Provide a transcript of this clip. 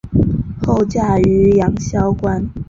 后嫁于杨肃观。